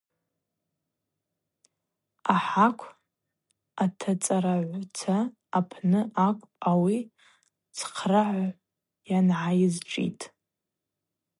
Ахӏакв атацӏарагӏваца апны акӏвпӏ ауи цхърыгӏагӏв йангӏайызшӏит.